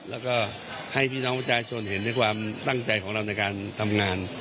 แล้วก็ให้พี่น้องประชาชนเห็นในความตั้งใจของเราในการทำงาน